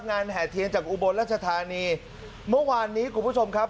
แห่เทียนจากอุบลรัชธานีเมื่อวานนี้คุณผู้ชมครับ